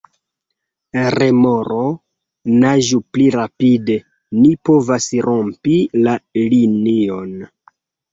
Remoro: "Naĝu pli rapide! Ni povas rompi la linion!"